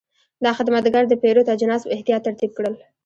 دا خدمتګر د پیرود اجناس په احتیاط ترتیب کړل.